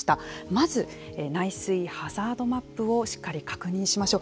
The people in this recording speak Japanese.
まず、内水ハザードマップをしっかり確認しましょう。